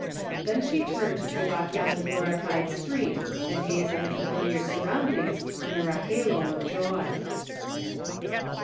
Then she turned to walk down the glorified street and gaze on the familiar surroundings under a halo of joy.